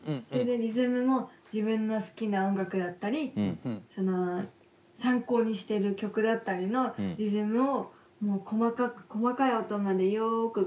それでリズムも自分の好きな音楽だったり参考にしてる曲だったりのリズムをもう細かい音までよく。